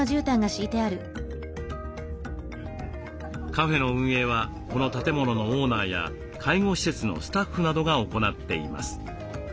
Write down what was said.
カフェの運営はこの建物のオーナーや介護施設のスタッフなどが行っています。